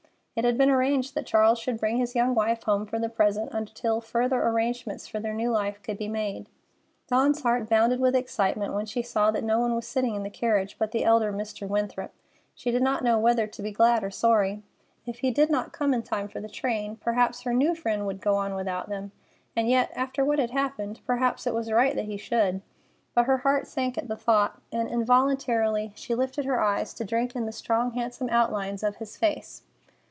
It had been arranged that Charles should bring his young wife home for the present until further arrangements for their new life could be made. Dawn's heart bounded with excitement when she saw that no one was sitting in the carriage but the elder Mr. Winthrop. She did not know whether to be glad or sorry. If he did not come in time for the train, perhaps her new friend would go on without them, and yet, after what had happened, perhaps it was right that he should. But her heart sank at the thought, and involuntarily she lifted her eyes to drink in the strong, handsome outlines of his face.